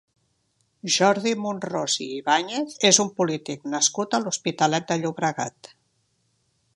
Jordi Monrós i Ibáñez és un polític nascut a l'Hospitalet de Llobregat.